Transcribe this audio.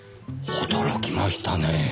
驚きましたね。